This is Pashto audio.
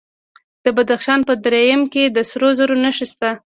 د بدخشان په درایم کې د سرو زرو نښې شته.